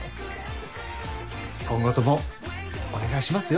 今後ともお願いしますよ